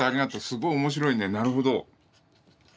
すごい面白いねなるほど。